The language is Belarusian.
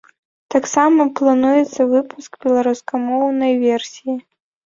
Таксама плануецца выпуск беларускамоўнай версіі.